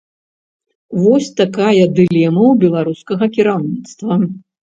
Вось такая дылема ў беларускага кіраўніцтва.